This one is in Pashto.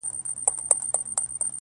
هر څوک خپله کيسه وايي تل